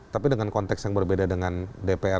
tapi dengan konteks yang berbeda dengan konteks yang lain